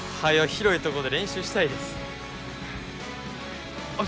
広いとこで練習したいですあっ